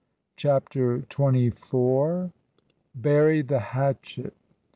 CHAPTER TWENTY FOUR. "BURY THE HATCHET!"